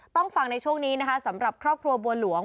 ฟังในช่วงนี้นะคะสำหรับครอบครัวบัวหลวง